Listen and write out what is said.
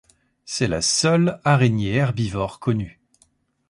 C'est la seule araignée herbivore connue.